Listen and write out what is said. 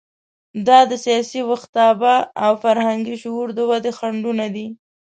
دا د سیاسي ویښتیابه او فرهنګي شعور د ودې خنډونه دي.